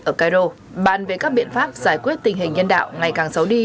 ở cairo bàn về các biện pháp giải quyết tình hình nhân đạo ngày càng xấu đi